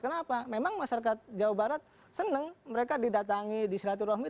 kenapa memang masyarakat jawa barat senang mereka didatangi di silaturahmi